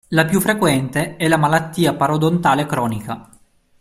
La più frequente è la "malattia parodontale cronica".